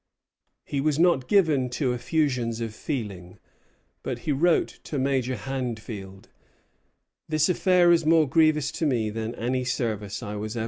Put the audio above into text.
He was not given to effusions of feeling, but he wrote to Major Handfield: "This affair is more grievous to me than any service I was ever employed in."